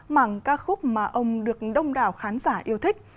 mảng ca khúc mà ông được đông đảo khán giả yêu thích